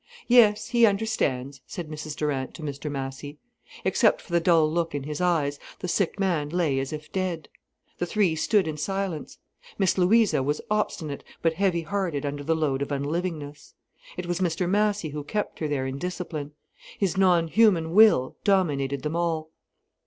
"Yes, he understands," said Mrs Durant to Mr Massy. Except for the dull look in his eyes, the sick man lay as if dead. The three stood in silence. Miss Louisa was obstinate but heavy hearted under the load of unlivingness. It was Mr Massy who kept her there in discipline. His non human will dominated them all.